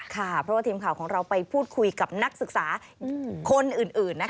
เพราะว่าทีมข่าวของเราไปพูดคุยกับนักศึกษาคนอื่น